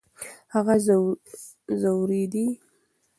هغه ځورېدی .